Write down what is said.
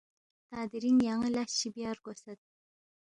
تا دِرِنگ یان٘ی لس چی بیا رگوسید